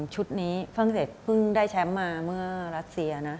ชุดนี้ฝรั่งเศสเพิ่งได้แชมป์มาเมื่อรัสเซียนะ